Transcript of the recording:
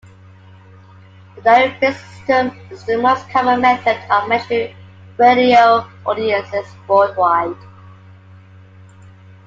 The diary based system is the most common method of measuring radio audiences worldwide.